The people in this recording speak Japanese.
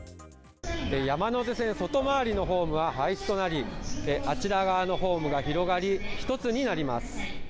山手線外回りのホームは廃止となりあちら側のホームが広がり、１つになります。